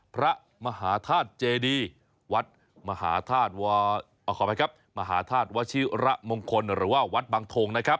พระมหาธาตุเจดีวัดมหาธาตุขออภัยครับมหาธาตุวชิระมงคลหรือว่าวัดบังทงนะครับ